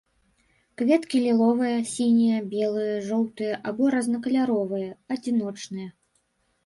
Кветкі ліловыя, сінія, белыя, жоўтыя або рознакаляровыя, адзіночныя.